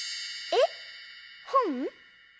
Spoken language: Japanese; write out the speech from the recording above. えっほん？